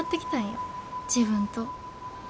自分と。